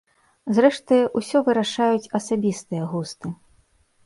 Зрэшты, усё вырашаюць асабістыя густы.